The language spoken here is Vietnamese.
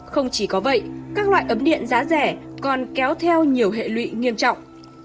không chỉ có vậy các loại ấm giá rẻ còn kéo theo nhiều hệ lụy nghiêm trọng